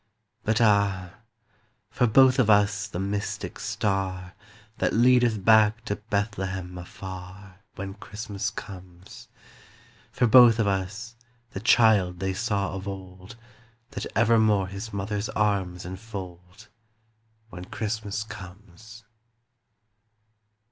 But ah, for both of us the mystic star That leadeth back to Bethlehem afar, When Christmas comes. For both of us the child they saw of old, That evermore his mother's arms enfold, When Christmas comes.